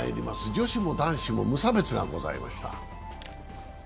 女子も男子も無差別がございました。